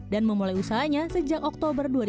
dan memulai range sejak oktober dua ribu dua puluh